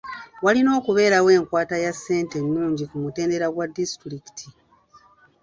Walina okubeerawo enkwata ya ssente ennungi ku mutendera gwa disitulikiti.